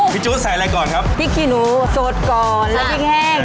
จู๊ดใส่อะไรก่อนครับพริกขี้หนูสดก่อนแล้วพริกแห้ง